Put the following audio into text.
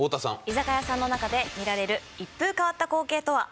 居酒屋さんの中で見られる一風変わった光景とは？